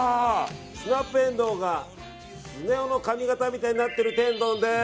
スナップエンドウがスネ夫の髪形みたいになってる天丼です。